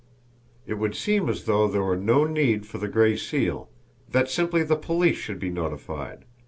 It would seem as though there were no need for the Gray Seal that simply the police should be notified.